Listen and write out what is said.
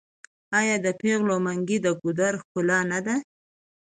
آیا د پیغلو منګي د ګودر ښکلا نه ده؟